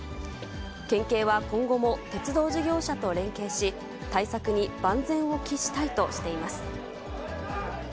県警は今後も鉄道事業者と連携し、対策に万全を期したいとしています。